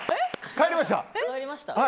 帰りました。